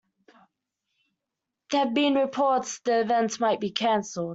There have been reports the event might be canceled.